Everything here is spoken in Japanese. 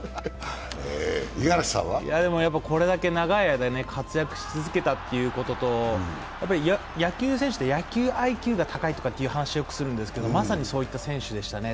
これだけ長い間、活躍し続けたということと野球選手って野球ＩＱが高いって話するんですけどまさにそういった選手でしたね。